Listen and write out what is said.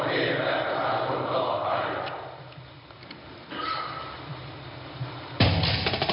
ก็ได้มีการอภิปรายในภาคของท่านประธานที่กรกครับ